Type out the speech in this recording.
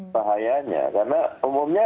bahayanya karena umumnya